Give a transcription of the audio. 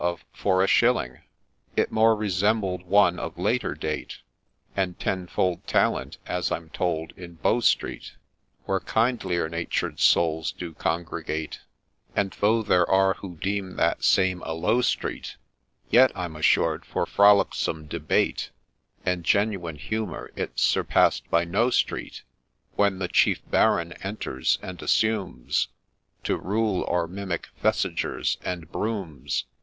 of — for a shilling. It more resembled one of later date, And tenfold talent, as I'm told, in Bow Street, Where kindlier natured souls do congregate, And, though there are who deem that same a low street, Yet, I'm assured, for frolicsome debate And genuine humour it 's surpassed by no street, THE GHOST 57 When the ' Chief Baron ' enters, and assumes To ' rule ' o'er mimic ' Thessigers ' and ' Broughams.'